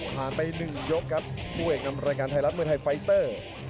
ผ่านไป๑ยกครับผู้เองอำนวยการไทยลัดมวยไทยไฟเตอร์